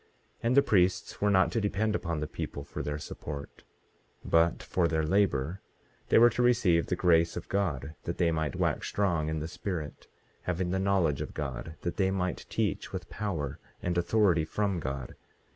18:26 And the priests were not to depend upon the people for their support; but for their labor they were to receive the grace of God, that they might wax strong in the Spirit, having the knowledge of God, that they might teach with power and authority from God.